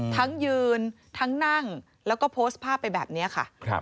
ทั้งยืนทั้งนั่งแล้วก็โพสต์ภาพไปแบบนี้ค่ะ